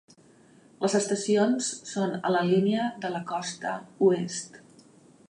Les estacions son a la línia de la costa oest.